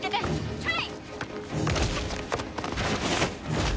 はい！